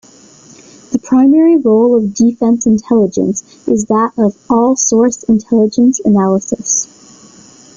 The primary role of Defence Intelligence is that of 'all-source' intelligence analysis.